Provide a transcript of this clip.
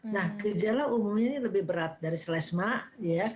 nah gejala umumnya ini lebih berat dari slesma ya